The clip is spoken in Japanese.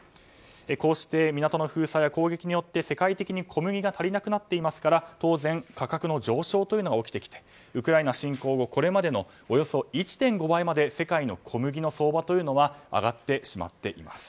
こうして、港の封鎖や攻撃によって世界的に小麦が足りなくなっていますから当然、価格の上昇が起きてきてウクライナ侵攻後これまでのおよそ１．５倍まで世界の小麦の相場は上がってしまっています。